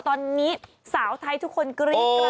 ตอนนี้สาวไทยทุกคนกรี๊ดกราน